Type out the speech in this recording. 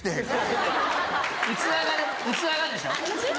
器がでしょ？